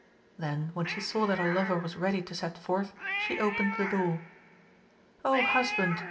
Then, when she saw that her lover was ready to set forth, she opened the door. "Oh, husband!"